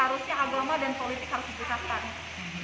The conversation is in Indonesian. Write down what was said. harusnya agama dan politik harus dibesarkan